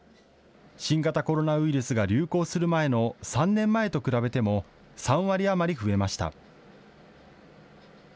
新型コロナウイルスが流行する前の３年前と比べても３割余り増えました。